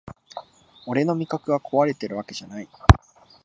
俺の味覚がこわれてるわけじゃない